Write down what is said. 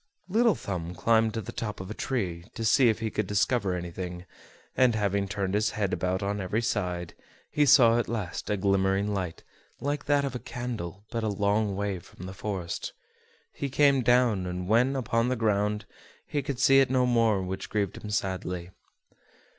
Little Thumb climbed up to the top of a tree, to see if he could discover anything; and having turned his head about on every side, he saw at last a glimmering light, like that of a candle, but a long way from the forest. He came down, and, when upon the ground, he could see it no more, which grieved him sadly.